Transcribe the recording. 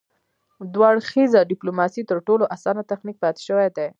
دوه اړخیزه ډیپلوماسي تر ټولو اسانه تخنیک پاتې شوی دی